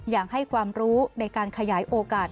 ยังให้ความรู้ในการขยายโอกาส